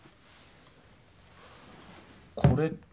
これって？